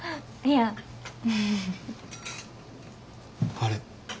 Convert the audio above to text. あれ？